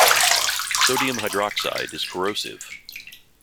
Sodium hydroxide is corrosive.